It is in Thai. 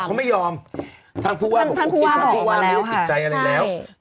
เขาไม่ยอมทางผู้ว่าบอกทางผู้ว่าไม่ได้ติดใจอะไรแล้ว